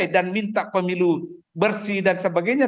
dan minta pemilu bersih dan sebagainya